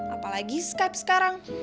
apalagi skype sekarang